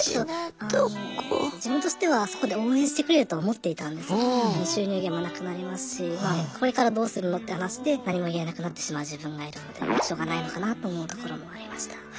自分としてはそこで応援してくれると思っていたんですけど収入源もなくなりますしこれからどうするのって話で何も言えなくなってしまう自分がいるのでしょうがないのかなと思うところもありました。